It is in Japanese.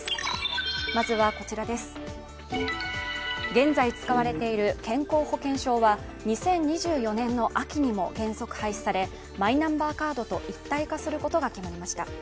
現在使われている健康保険証は２０２４年の秋にも原則廃止されマイナンバーカードと一体化することが決まりました。